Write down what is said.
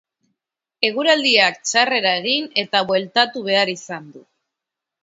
Eguraldiak txarrera egin eta bueltatu behar izan du.